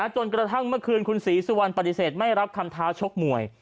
จนกระทั่งเมื่อคืนคุณศรีสุวรรณปฏิเสธไม่รับคำท้าชกมวย